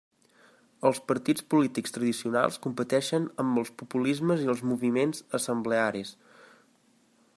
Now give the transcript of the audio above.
Els partits polítics tradicionals competeixen amb els populismes i els moviments assemblearis.